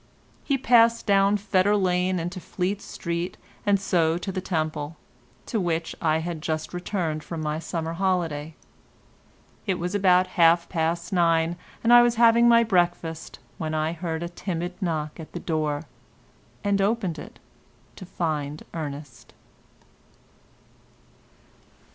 He passed down Fetter Lane into Fleet Street and so to the Temple, to which I had just returned from my summer holiday. It was about half past nine, and I was having my breakfast, when I heard a timid knock at the door and opened it to find Ernest.